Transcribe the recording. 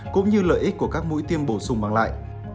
cũng như lợi ích của các mũi tiêm bổ sung mang lại